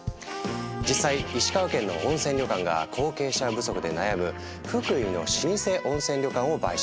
実際石川県の温泉旅館が後継者不足で悩む福井の老舗温泉旅館を買収。